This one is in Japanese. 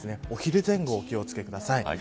お昼前後、お気をつけください。